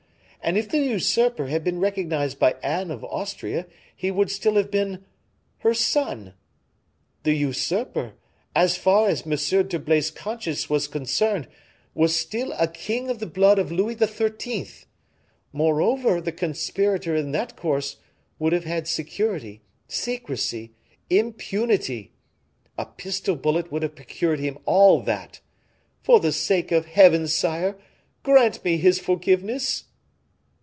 And if the usurper had been recognized by Anne of Austria, he would still have been her son. The usurper, as far as Monsieur d'Herblay's conscience was concerned, was still a king of the blood of Louis XIII. Moreover, the conspirator, in that course, would have had security, secrecy, impunity. A pistol bullet would have procured him all that. For the sake of Heaven, sire, grant me his forgiveness."